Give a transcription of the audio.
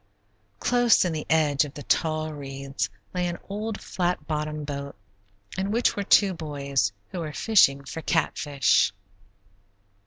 Close in the edge of the tall reeds lay an old flat bottomed boat in which were two boys, who were fishing for catfish.